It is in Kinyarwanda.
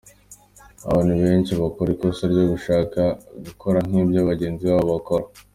Abantu benshi bakora ikosa ryo gushaka gukora nk’ibyo bagenzi babo bakora.